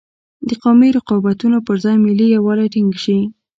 د قومي رقابتونو پر ځای ملي یوالی ټینګ شي.